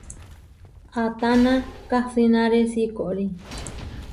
¿Atána kasínare siikorí?